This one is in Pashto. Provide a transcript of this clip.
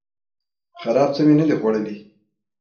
خراب څه می نه دي خوړلي